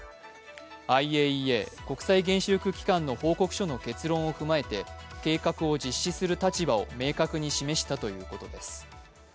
ＩＡＥＡ＝国際原子力機関の報告書の結論を踏まえて計画を実施する立場を明確に示したということです。